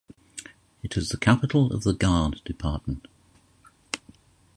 It is the capital of the Gard department.